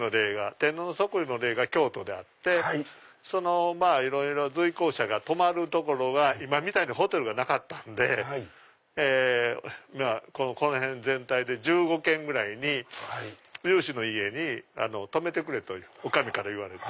天皇の即位の礼が京都であってその随行者が泊まる所が今みたいにホテルがなかったんでこの辺全体で１５軒ぐらいに有志の家に泊めてくれとお上から言われて。